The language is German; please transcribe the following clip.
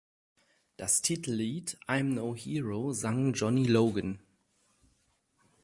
Das Titellied "I'm No Hero" sang Johnny Logan.